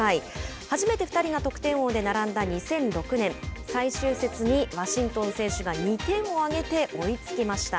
初めて２人が得点王で並んだ２００６年最終節にワシントン選手が２点を挙げて追いつきました。